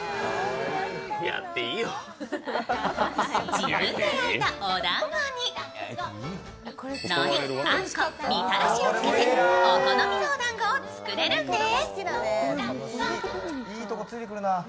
自分で焼いたおだんごに、のり、あんこ、みたらしをつけてお好みのおだんごを作れるんです。